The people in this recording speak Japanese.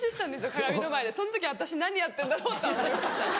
鏡の前でその時私何やってんだろうとは思いました。